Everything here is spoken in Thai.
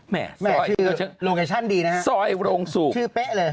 แหม่ซอยโรงสูบชื่อเป๊ะเลยคือโรงแชนดีนะครับ